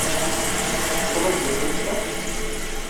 Tetḥeqqeḍ ad d-yas azekka?